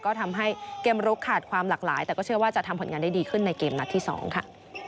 ก็ทำให้เกมลุกขาดความหลากหลายแต่ก็เชื่อว่าจะทำผลงานได้ดีขึ้นในเกมนัดที่๒ค่ะ